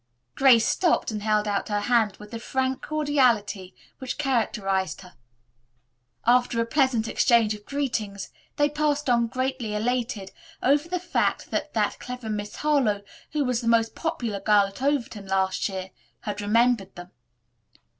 Grace stopped and held out her hand with the frank cordiality which characterized her. After a pleasant exchange of greetings they passed on greatly elated over the fact that "that clever Miss Harlowe, who was the most popular girl at Overton last year," had remembered them.